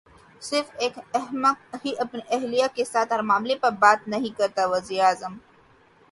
صرف ایک احمق ہی اپنی اہلیہ کے ساتھ ہر معاملے پر بات نہیں کرتا وزیراعظم